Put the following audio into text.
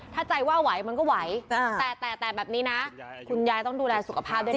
ถ้าใจว่าไหวมันก็ไหวแต่แต่แบบนี้นะคุณยายต้องดูแลสุขภาพด้วยดี